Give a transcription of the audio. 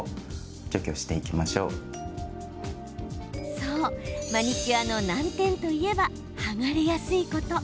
そう、マニキュアの難点といえば剥がれやすいこと。